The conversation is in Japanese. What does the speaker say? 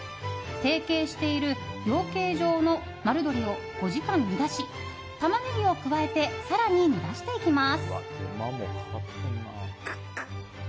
提携している養鶏場の丸鶏を５時間煮出しタマネギを加えて更に煮出していきます。